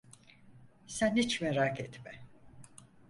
Sen hiç merak etme.